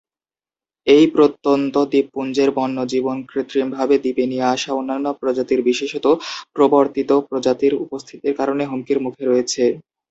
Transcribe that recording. এই প্রত্যন্ত দ্বীপপুঞ্জের বন্যজীবন কৃত্রিম ভাবে দ্বীপে নিয়ে আসা অন্যান্য প্রজাতির বিশেষত প্রবর্তিত প্রজাতির উপস্থিতির কারণে হুমকির মুখে রয়েছে।